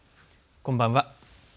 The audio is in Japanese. こんばんは。